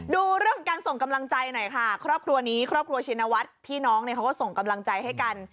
ดูเรื่องของการส่งกำลังใจหน่อยค่ะครอบครัวนี้ครอบครัวชินวัฒน์พี่น้องเนี่ยเขาก็ส่งกำลังใจให้กัน